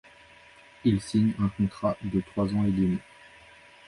Il signe un contrat de trois ans et demi.